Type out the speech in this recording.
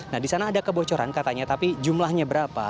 nah di sana ada kebocoran katanya tapi jumlahnya berapa